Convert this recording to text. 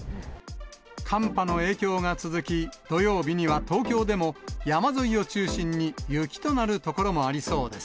寒波の影響が続き、土曜日には東京でも、山沿いを中心に雪となる所もありそうです。